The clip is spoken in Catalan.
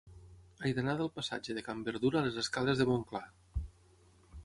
He d'anar del passatge de Can Berdura a les escales de Montclar.